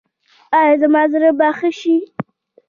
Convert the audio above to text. ایا زما زړه به ښه شي؟